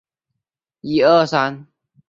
有明显的干湿季。